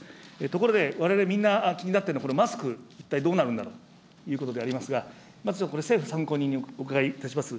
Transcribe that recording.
ところで、われわれみんな、これ、気になっているマスク、コレ、一体どうなるんだろうということでありますが、まず、これ政府参考人にお伺いいたします。